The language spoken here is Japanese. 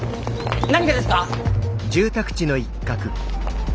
何がですか？